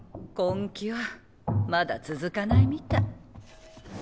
根気はまだ続かないみたい。